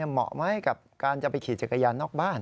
เหมาะไหมกับการจะไปขี่จักรยานนอกบ้าน